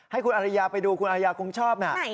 ให้คุณอริยาไปดูคุณอายาคงชอบนะ